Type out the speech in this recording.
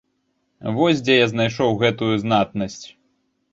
Вось дзе я знайшоў гэтую знатнасць.